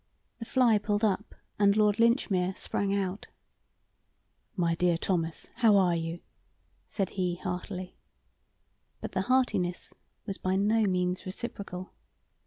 The fly pulled up and Lord Linchmere sprang out. "My dear Thomas, how are you?" said he, heartily. But the heartiness was by no means reciprocal.